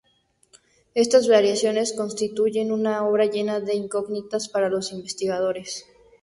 Estas variaciones constituyen una obra llena de incógnitas para los investigadores.